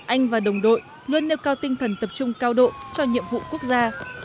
anh và đồng đội luôn nêu cao tinh thần tập trung cao độ cho nhiệm vụ quốc gia